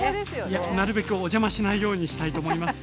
いやなるべくお邪魔しないようにしたいと思います。